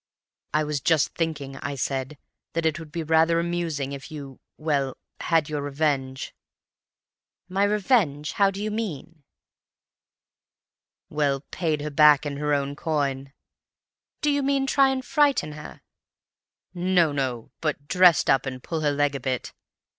"'I was just thinking,' I said, 'that it would be rather amusing if you—well, had your revenge." "'My revenge? How do you mean?' "'Well, paid her back in her own coin.' "'Do you mean try and frighten her?' "'No, no; but dressed up and pulled her leg a bit.